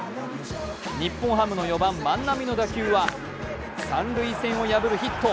日本ハムの４番・万波の打球は三塁線を破るヒット。